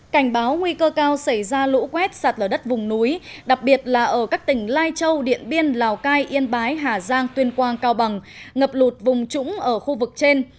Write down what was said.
cảnh báo nguy cơ cao xảy ra lũ quét sạt lở đất vùng núi đặc biệt là ở các tỉnh lai châu điện biên lào cai yên bái hà giang tuyên quang cao bằng ngập lụt vùng trũng ở khu vực trên